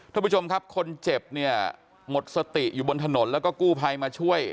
ท่านผู้ชมครับคนเจ็บเนี่ยหมดสติอยู่บนถนนแล้วก็กู้ภัยมาช่วย